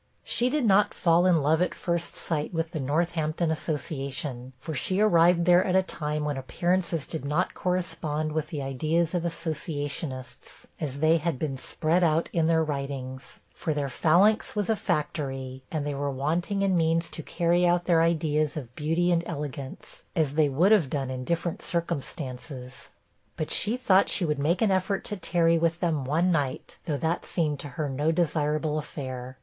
She did not fall in love at first sight with the Northampton Association, for she arrived there at a time when appearances did not correspond with the ideas of associationists, as they had been spread out in their writings; for their phalanx was a factory, and they were wanting in means to carry out their ideas of beauty and elegance, as they would have done in different circumstances. But she thought she would make an effort to tarry with them one night, though that seemed to her no desirable affair.